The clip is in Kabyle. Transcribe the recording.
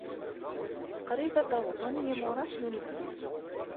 Qrib ad d-awḍen yimuras n unebdu.